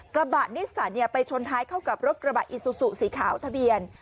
กระบะนิสสันไปชนท้ายเข้ากับรถกระบะอิซูซูสีขาวทะเบียน